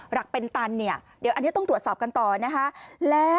หลักเป็นตันเนี่ยเดี๋ยวอันนี้ต้องตรวจสอบกันต่อนะคะ